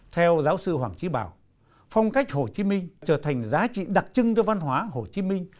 theo giáo sư hoàng trí bảo phong cách hồ chí minh trở thành giá trị đặc trưng cho văn hóa hồ chí minh